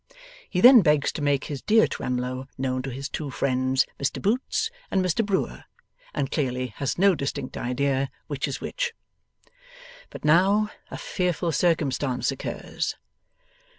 He then begs to make his dear Twemlow known to his two friends, Mr Boots and Mr Brewer and clearly has no distinct idea which is which. But now a fearful circumstance occurs.